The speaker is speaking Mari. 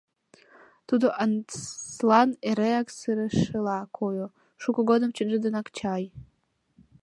Тудо Антслан эреак сырышыла койо, шуко годым чынже денак чай.